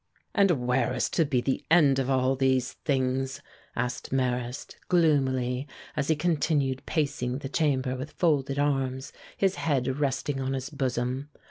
"And where is to be the end of all these things?" asked Marrast, gloomily, as he continued pacing the chamber with folded arms, his head resting on his bosom.